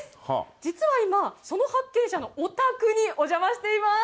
実は今、その発見者のお宅にお邪魔しています。